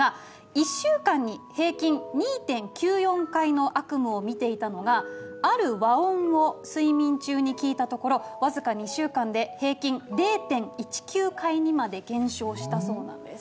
１週間に平均２．９４回の悪夢を見ていたのがある和音を睡眠中に聞いたところ僅か２週間で平均０．１９回にまで減少したそうなんです。